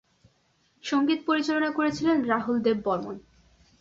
সঙ্গীত পরিচালনা করেছিলেন রাহুল দেব বর্মণ।